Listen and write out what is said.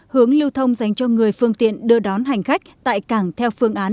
hướng lưu thông dành cho người phương tiện đưa đón hành khách tại cảng theo phương án